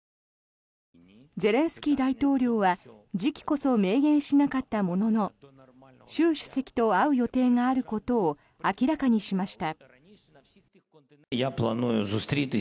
ゼレンスキー大統領は時期こそ明言しなかったものの習主席と会う予定があることを明らかにしました。